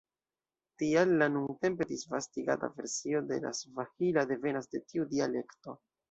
Tial la nuntempe disvastigata versio de la svahila devenas de tiu dialekto.